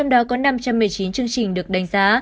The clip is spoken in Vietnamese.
trong đó có năm trăm một mươi chín chương trình được đánh giá